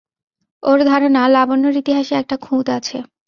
ওর ধারণা, লাবণ্যর ইতিহাসে একটা খুঁত আছে।